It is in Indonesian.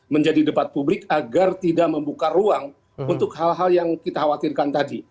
menjadi debat publik agar tidak membuka ruang untuk hal hal yang kita khawatirkan tadi